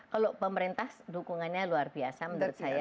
kalau pemerintah dukungannya luar biasa menurut saya